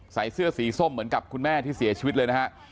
ใส่เสื้อสีส้มเหมือนกับคุณแม่ที่เสียชีวิตเลยนะฮะ